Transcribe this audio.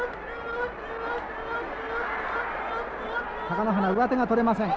貴ノ花、上手が取れません。